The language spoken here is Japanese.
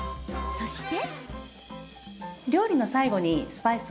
そして。